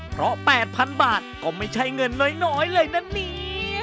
เพราะ๘๐๐๐บาทก็ไม่ใช่เงินน้อยเลยนะเนี่ย